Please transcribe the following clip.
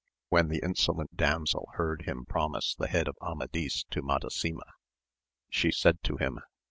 When the insolent damsel heard him promise the head of Amadis to Madasima, she said to him.